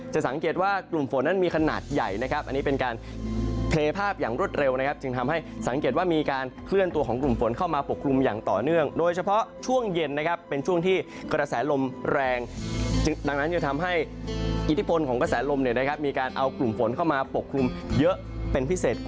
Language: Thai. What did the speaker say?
สังเกตว่ากลุ่มฝนนั้นมีขนาดใหญ่นะครับอันนี้เป็นการเทภาพอย่างรวดเร็วนะครับจึงทำให้สังเกตว่ามีการเคลื่อนตัวของกลุ่มฝนเข้ามาปกคลุมอย่างต่อเนื่องโดยเฉพาะช่วงเย็นนะครับเป็นช่วงที่กระแสลมแรงดังนั้นจะทำให้อิทธิพลของกระแสลมเนี่ยนะครับมีการเอากลุ่มฝนเข้ามาปกคลุมเยอะเป็นพิเศษ